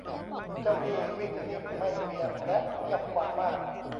เจ้านี่วิ่งนิ่มไม่เหวี่ยงและเงียบกว่ามาก